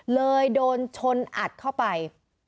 เลยโดนชนอัดเข้าไป